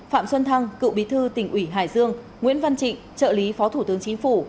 phạm xuân thăng cựu bí thư tỉnh ủy hải dương nguyễn văn trịnh trợ lý phó thủ tướng chính phủ